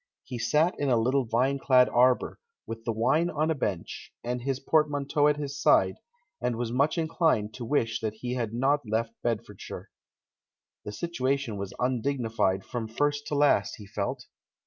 He sat in a little vine clad arbour, with the wine on a bench, and his portmanteau at his side, and was much inclined to wish that he had not left Bedfordshire. The situation was undignified from first to last, he felt.